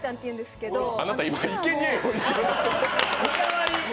あなた今、いけにえを。